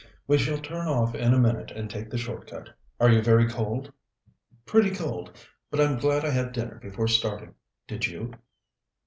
"We shall turn off in a minute and take the short cut. Are you very cold?" "Pretty cold, but I'm glad I had dinner before starting. Did you?"